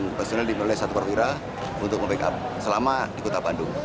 dan personil dimiliki satu perwira untuk membackup selama di kota bandung